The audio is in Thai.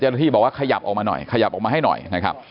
ที่บอกว่าขยับออกมาหน่อยขยับออกมาให้หน่อยนะครับ